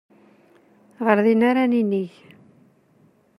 Ɣer din ara ninig.